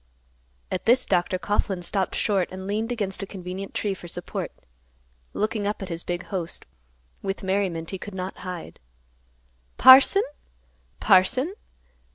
At this Dr. Coughlan stopped short and leaned against a convenient tree for support, looking up at his big host, with merriment he could not hide; "Parson, parson!